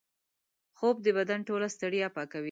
خوب د بدن ټوله ستړیا پاکوي